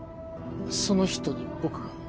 その人に僕が？